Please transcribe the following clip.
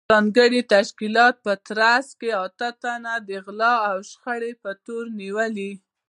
ځانګړې تشکیل په ترڅ کې اته تنه د غلاوو او شخړو په تور نیولي